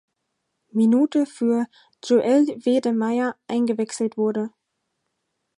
Minute für Joelle Wedemeyer eingewechselt wurde.